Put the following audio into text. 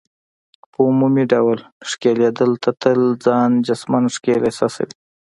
په عمومي ډول ښکیلېدل، ته تل ځان جسماً ښکېل احساسوې.